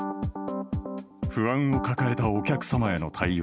不安を抱えたお客様への対応